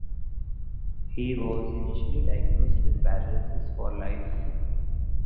He was initially diagnosed with paralysis for life.